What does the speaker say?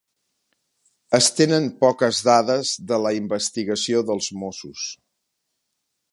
Es tenen poques dades de la investigació dels Mossos